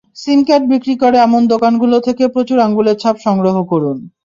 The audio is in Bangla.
সিম কার্ড বিক্রি করে এমন দোকানগুলো থেকে প্রচুর আঙুলের ছাপ সংগ্রহ করুন।